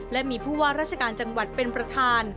และมีผู้ว่าราชการจังหวัดเป็นประธาน